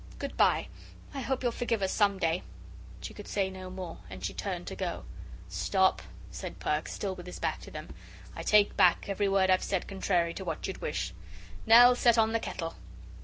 Good bye. I hope you'll forgive us some day " She could say no more, and she turned to go. "Stop," said Perks, still with his back to them; "I take back every word I've said contrary to what you'd wish. Nell, set on the kettle."